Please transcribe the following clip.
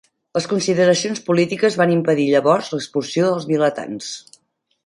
Les consideracions polítiques van impedir llavors l'expulsió dels vilatans.